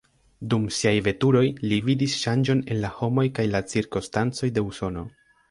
Dum siaj veturoj, li vidis ŝanĝon en la homoj kaj la cirkonstancoj de Usono.